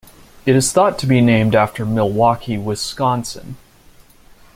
It is thought to be named after Milwaukee, Wisconsin.